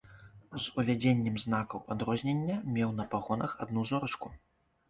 З увядзеннем знакаў адрознення меў на пагонах адну зорачку.